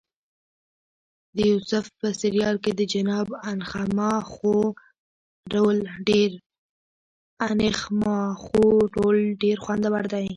د یوسف په سریال کې د جناب انخماخو رول ډېر خوندور دی.